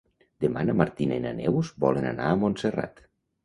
Demà na Martina i na Neus volen anar a Montserrat.